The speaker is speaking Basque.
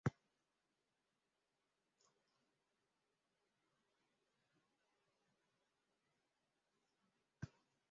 Gero, bere kirol ibilbide profesionalaren zatirik handiena eman zuen.